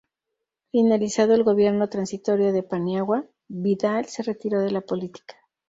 Finalizado el gobierno transitorio de Paniagua, Vidal se retiró de la política.